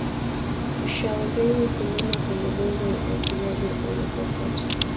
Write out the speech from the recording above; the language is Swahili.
Uhaushauriwi kulima kwenye dongo wa mfinyazi na wenye kokoto